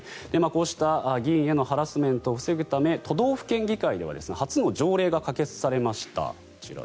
こうした議員へのハラスメントを防ぐため都道府県議会では初の条例が可決されました。